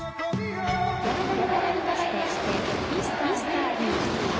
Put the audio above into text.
山田に代わりまして、ミスター・ルーキー。